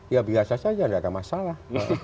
ya biasa saja tidak ada masalah